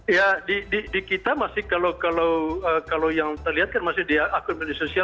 ya di kita masih kalau yang terlihat kan masih di akun media sosial